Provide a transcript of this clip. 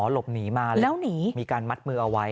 หลบหนีมาแล้วหนีมีการมัดมือเอาไว้